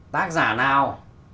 tác giả nào